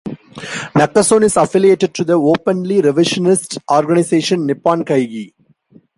Nakasone is affiliated to the openly revisionist organization Nippon Kaigi.